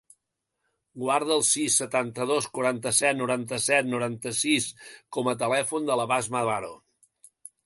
Guarda el sis, setanta-dos, quaranta-set, noranta-set, noranta-sis com a telèfon de la Basma Baro.